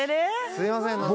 すいません何か。